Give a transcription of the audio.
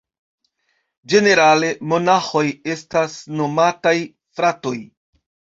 Ĝenerale monaĥoj estas nomataj "fratoj".